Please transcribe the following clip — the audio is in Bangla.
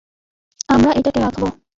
আমরা এটাকে রাখবো।